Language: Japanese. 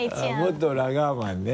元ラガーマンね。